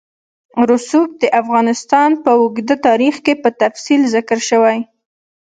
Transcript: رسوب د افغانستان په اوږده تاریخ کې په تفصیل ذکر شوی.